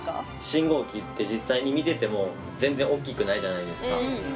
信号機って実際に見てても全然おっきくないじゃないですか。